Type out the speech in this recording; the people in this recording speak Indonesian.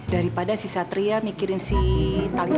daripada si satria mikirin si tali